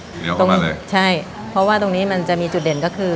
โดยคงมาเลยใช่เพราะว่าตรงนี้มันจะมีจุดเด่นก็คือ